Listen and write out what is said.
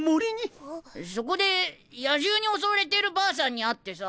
そこで野獣に襲われているばあさんに会ってさ。